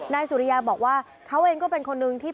และบอกว่าเขาเองก็เป็นคนหนึ่งที่